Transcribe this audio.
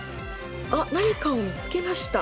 あっ何かを見つけました。